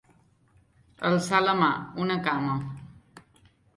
Alçar la mà, una cama.